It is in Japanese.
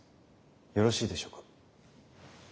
よろしいでしょうか？